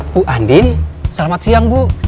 bu andin selamat siang bu